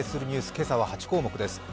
今朝は８項目です。